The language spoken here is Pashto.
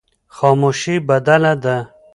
خاموشي بدله ده.